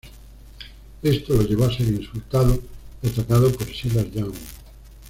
Esto lo llevó a ser insultado y atacado por Silas Young.